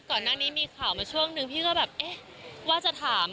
ก่อนหน้านี้มีข่าวมาช่วงนึงพี่ก็แบบเอ๊ะว่าจะถาม